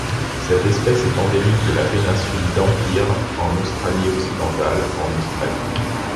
Cette espèce est endémique de la péninsule Dampier en Australie-Occidentale en Australie.